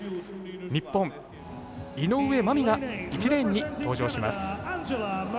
日本、井上舞美が１レーンに登場します。